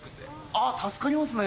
あぁ助かりますね。